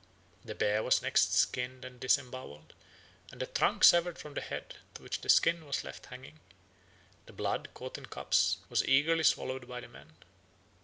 The bear was next skinned and disembowelled, and the trunk severed from the head, to which the skin was left hanging. The blood, caught in cups, was eagerly swallowed by the men.